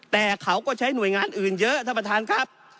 แต่เขาก็ใช้หน่วยงานอื่นเยอะท่านประธานครับ